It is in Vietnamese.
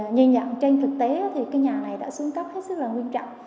nhìn nhận trên thực tế nhà này đã xuống cấp hết sức nguyên trọng